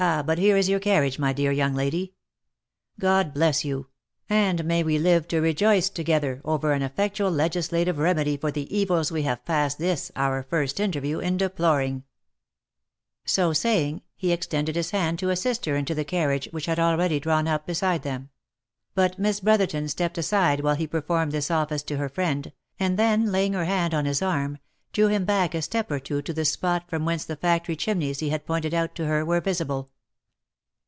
But here is your carriage, my dear young lady ! God bless you ! and may we live to rejoice together over an effectual legislative remedy for the evils we have passed this our first interview in deploring !" So saying, he extended his hand to assist her into the carriage which had already drawn up beside them — but Miss Brotherton stepped aside while he performed this office to her friend, and then laying her hand on his arm, drew him back a step or too to the spot from whence the factory chimneys he had pointed out to her were visible.